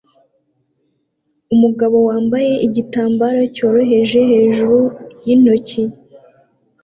Umugabo wambaye igitambaro cyoroheje hejuru yintoki